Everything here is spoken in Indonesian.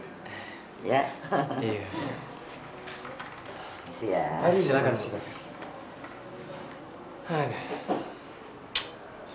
terima kasih ya